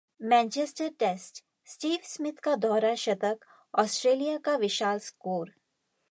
Manchester Test: Steve Smith का दोहरा शतक, ऑस्ट्रेलिया का विशाल स्कोर